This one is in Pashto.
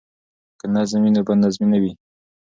که نظم وي نو بد نظمي نه وي.